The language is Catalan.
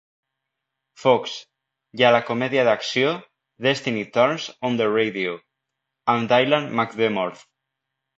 Fox, i a la comèdia d'acció "Destiny Turns on the Radio" amb Dylan McDermott.